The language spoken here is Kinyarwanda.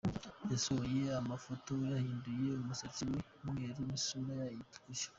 Yasohoye amafoto yahinduye umusatsi we umweru n’ isura ye yayitukuje.